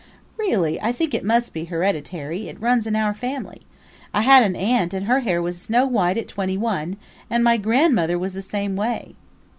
"Really, I think it must be hereditary; it runs in our family. I had an aunt and her hair was snow white at twenty one and my grandmother was the same way."